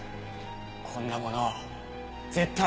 こんなもの絶対！